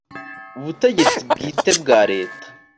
butegetsi bwite bwa leta